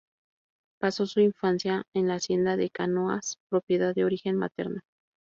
Pasó su infancia en la hacienda de Canoas, propiedad de origen materno.